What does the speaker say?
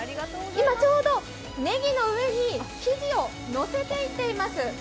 今ちょうどねぎの上に生地を乗せていっています。